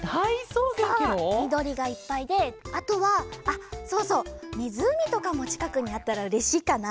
そうみどりがいっぱいであとはあっそうそうみずうみとかもちかくにあったらうれしいかな。